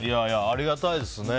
ありがたいですね。